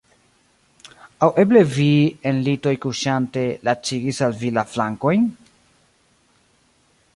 Aŭ eble vi, en litoj kuŝante, lacigis al vi la flankojn?